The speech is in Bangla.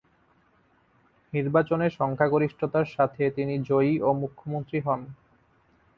নির্বাচনে সংখ্যাগরিষ্ঠতার সাথে তিনি জয়ী ও মুখ্যমন্ত্রী হন।